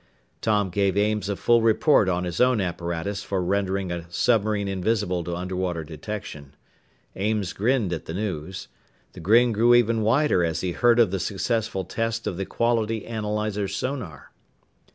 Tom gave Ames a full report on his own apparatus for rendering a submarine invisible to underwater detection. Ames grinned at the news. The grin grew even wider as he heard of the successful test of the quality analyzer sonar.